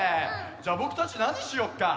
じゃあぼくたちなにしよっか？